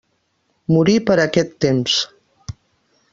Morí per aquest temps.